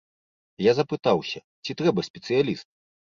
Я запытаўся, ці трэба спецыяліст?